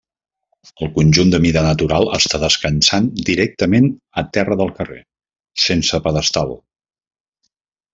El conjunt de mida natural està descansant directament a terra del carrer, sense pedestal.